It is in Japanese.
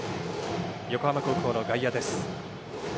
横浜高校の外野です。